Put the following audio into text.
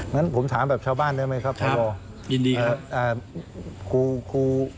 งั้นผมถามแบบชาวบ้านได้ไหมครับพี่บอร์ครับยินดีครับครับยินดีครับ